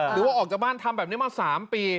หรือว่าออกจากบ้านทำแบบนี้มา๓ปี